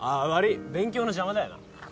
勉強の邪魔だよな。